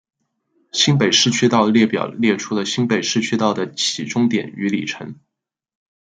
新北市区道列表列出新北市区道的起终点与里程。